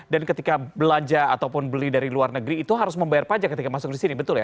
dan ketika belanja ataupun beli dari luar negeri itu harus membayar pajak ketika masuk di sini betul ya